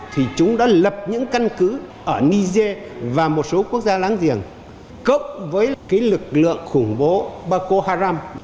thì chúng đã lập những căn cứ ở niger và một số quốc gia láng giềng cộng với lực lượng khủng bố baco haram